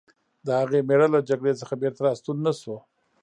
د هغې مېړه له جګړې څخه بېرته راستون نه شو